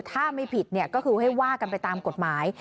ถ้าไม่ผิดก็คือให้ว่ากันไปตามกฎหมาย